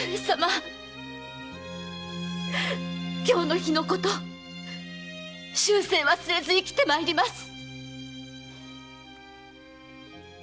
今日の日のこと終生忘れず生きてまいります！